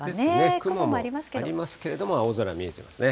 雲もありますけれども晴れてますね。